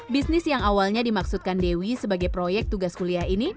bisnis yang awalnya dimaksudkan dewi sebagai proyek tugas kuliah ini